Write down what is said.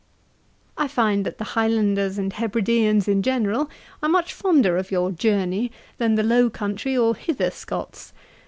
'I find that the Highlanders and Hebrideans in general are much fonder of your Journey than the low country or hither Scots.